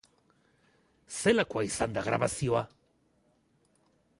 Zelakoa izan da grabazioa?